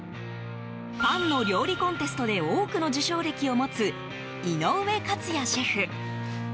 パンの料理コンテストで多くの受賞歴を持つ井上克哉シェフ。